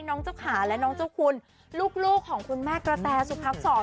น้องเจ้าขาและน้องเจ้าคุณลูกของคุณแม่กระแตสุพักษร